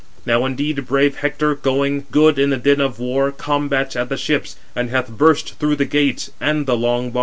Now indeed brave Hector, good in the din of war, combats at the ships, and hath burst through the gates and the long bar."